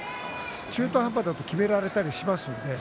中途半端だときめられたりしますからね。